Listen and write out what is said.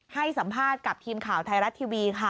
ให้สัมภาษณ์กับทีมข่าวไทยรัฐทีวีค่ะ